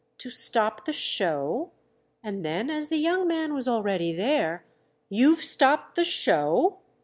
"To stop the show?" And then as the young man was already there: "You've stopped the show?"